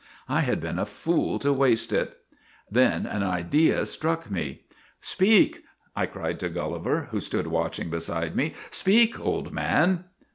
I had been a fool to waste it. Then an idea struck me. "' Speak !' I cried to Gulliver, who stood watch ing beside me. ' Speak, old man